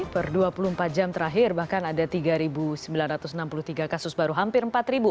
per dua puluh empat jam terakhir bahkan ada tiga sembilan ratus enam puluh tiga kasus baru hampir empat